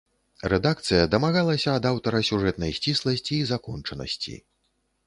Рэдакцыя дамагалася ад аўтара сюжэтнай сцісласці і закончанасці.